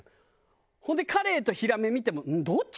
ほんでカレイとヒラメ見てもどっち？